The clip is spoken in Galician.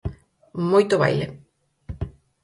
Moito baile.